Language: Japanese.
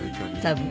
多分。